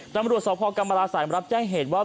ตำรวจสพกรรมราศัยมารับแจ้งเหตุว่า